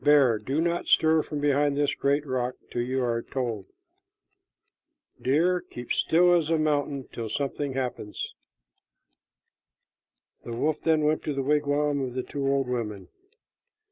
Bear, do not stir from behind this great rock till you are told. Deer, keep still as a mountain till something happens." The wolf then went to the wigwam of the two old women.